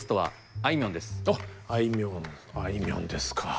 あいみょんですか。